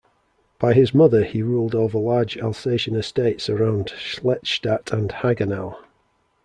By his mother he ruled over large Alsatian estates around Schlettstadt and Hagenau.